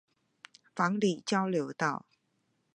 房裡交流道